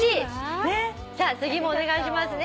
さあ次もお願いしますね。